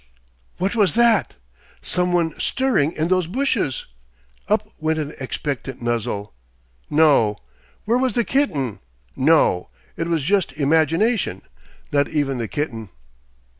What was that? Some one stirring in those bushes? Up went an expectant muzzle. No! Where was the kitten? No! It was just imagination, not even the kitten.